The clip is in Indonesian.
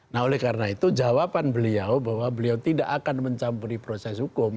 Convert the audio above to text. nah oleh karena itu jawaban beliau bahwa beliau tidak akan mencampuri proses hukum